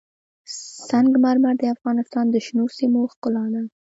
سنگ مرمر د افغانستان د شنو سیمو ښکلا ده.